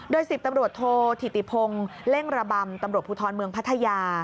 โดย๑๐ตำรวจโทษธิติพงศ์เล่งระบำตำรวจภูทรเมืองพัทยา